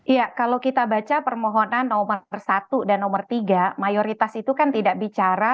iya kalau kita baca permohonan nomor satu dan nomor tiga mayoritas itu kan tidak bicara